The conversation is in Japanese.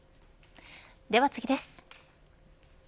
では次です。